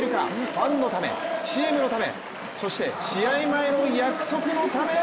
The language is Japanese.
ファンのため、チームのためそして試合前の約束のため！